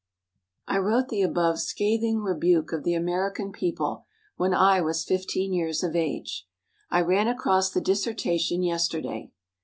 ] I wrote the above scathing rebuke of the American people when I was 15 years of age. I ran across the dissertation yesterday.